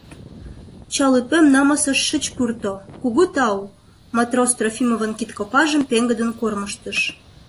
— Чал ӱпем намысыш шыч пурто, кугу тау, — матрос Трофимовын кидкопажым пеҥгыдын кормыжтыш.